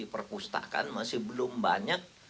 perpustakaan masih belum banyak